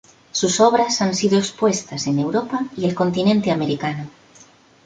Sus obras han sido expuestas en Europa y el continente americano.